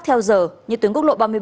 theo giờ như tuyến quốc lộ ba mươi bảy